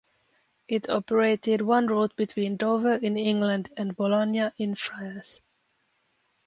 It operated one route between Dover in England and Boulogne in France.